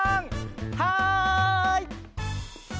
はい！